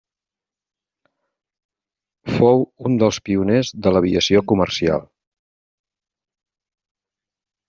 Fou un dels pioners de l'aviació comercial.